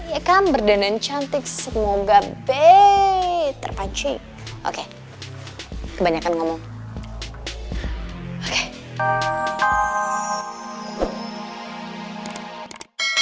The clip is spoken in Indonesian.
ya kan berdenan cantik semoga bay terpancing oke kebanyakan ngomong oke